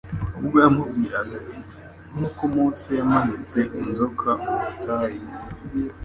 ubwo yamubwiraga ati : "Nkuko Mose yamanitse inzoka mu butayu,